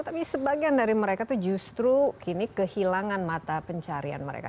tapi sebagian dari mereka itu justru kini kehilangan mata pencarian mereka